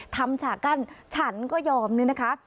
ฉากกั้นฉันก็ยอมนี่นะคะ